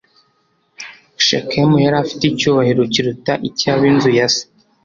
Shekemu yari afite icyubahiro kiruta icy ab inzu ya se